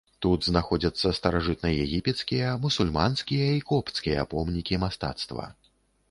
Тут знаходзяцца старажытнаегіпецкія, мусульманскія і копцкія помнікі мастацтва.